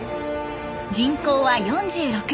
人口は４６。